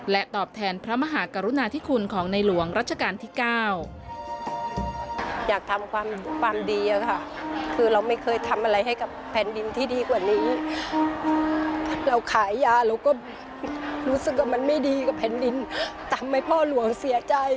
และตอบแทนพระมหากรุณาธิคุณของในหลวงรัชกาลที่เก้า